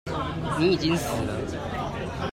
你已經死了